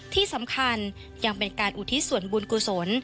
ที่สำคัญยังเป็นการอุทิศส่วนบุญกุศล